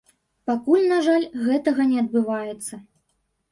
Пакуль, на жаль, гэтага не адбываецца.